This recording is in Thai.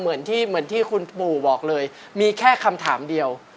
เหมือนที่คุณปู่บอกเลยมีแค่คำถามเดียว